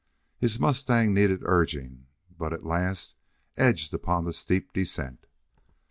His mustang needed urging, but at last edged upon the steep descent.